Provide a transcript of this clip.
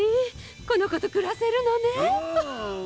このことくらせるのね！